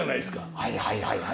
はいはいはいはい。